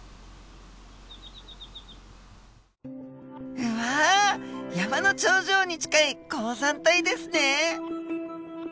うわ山の頂上に近い高山帯ですね。